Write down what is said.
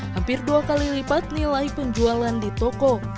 hampir dua kali lipat nilai penjualan di toko